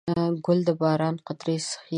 ګل د باران قطرې څښي.